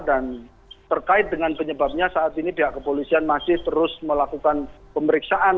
dan terkait dengan penyebabnya saat ini pihak kepolisian masih terus melakukan pemeriksaan